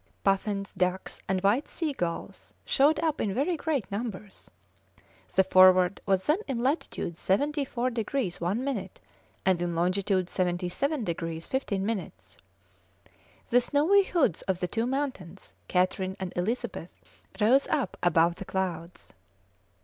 Puffins, ducks, and white sea gulls showed up in very great numbers. The Forward was then in latitude 74 degrees 1 minute, and in longitude 77 degrees 15 minutes. The snowy hoods of the two mountains, Catherine and Elizabeth, rose up above the clouds.